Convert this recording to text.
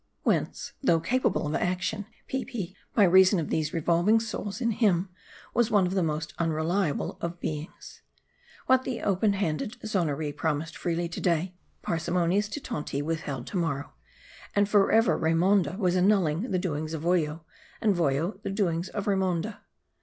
Whence, though capable of action, Peepi, by reason of 240 M A R D I. these revolving souls in him, was one of the most unreliable of beings. What the open handed Zonoree promised freely to day, the parsimonious Titonti withheld to morrow ; and forever Raymonda was annulling the doings of Voyo ; and Voyo the doings of Raymonda.